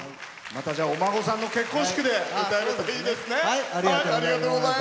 またお孫さんの結婚式で歌えるといいですね。